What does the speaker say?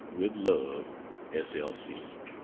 With love, S. L. C.